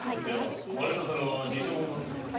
割れた皿はニセ物だというのか？